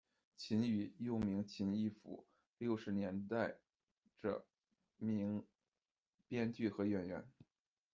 秦羽，又名秦亦孚，六十年代着名编剧和演员。